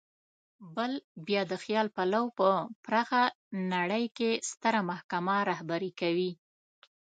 بل بیا د خیال پلو په پراخه نړۍ کې ستره محکمه رهبري کوي.